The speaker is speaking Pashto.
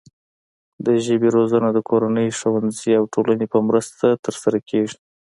د ژبې روزنه د کورنۍ، ښوونځي او ټولنې په مرسته ترسره کیږي.